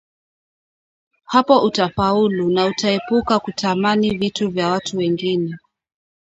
Hapo utafaulu na utaepuka kutamani vitu vya watu wengine